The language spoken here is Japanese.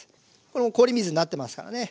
これも氷水になってますからね。